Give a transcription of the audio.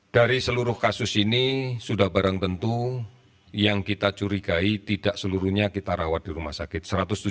dari seluruh kasus ini sudah barang tentu yang kita curigai tidak seluruhnya kita rawat di rumah sakit